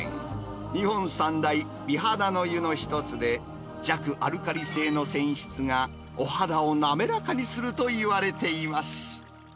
日本三大美肌の湯の一つで、弱アルカリ性の泉質がお肌を滑らかにするといわれています。